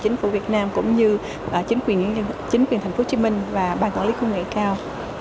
chính phủ việt nam cũng như chính quyền tp hcm và bàn tổng lý công nghệ cao